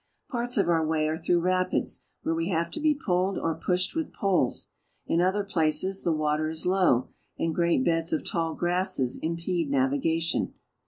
Parts of our way are through rapids, where we have to be pulled or pushed with poles ; in other places the water is low, and great beds of tall grasses impede navigation.